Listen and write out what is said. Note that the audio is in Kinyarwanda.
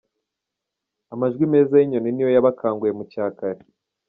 Amajwi meza y’inyoni niyo yabakanguye mu cya kare.